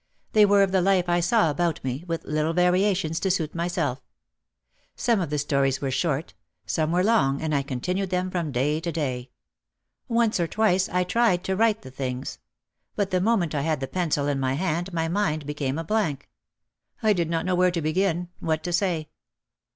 They were of the life I saw about me, with little variations to suit myself. Some of the stories were short, some were long and I continued them from day to day. Once or twice I tried to write the things. But the moment I had the pencil in my hand my mind became a blank. I did not know where to begin, what to say.